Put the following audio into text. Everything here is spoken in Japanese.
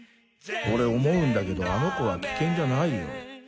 俺思うんだけどあの子は危険じゃないよ。